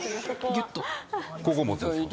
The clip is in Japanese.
ここ持つんですか？